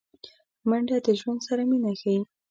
منډه د ژوند سره مینه ښيي